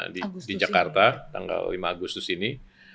di jakarta tanggal lima agustus ini